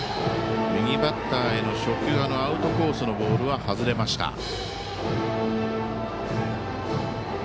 右バッターへの初球アウトコースのボールは外れました。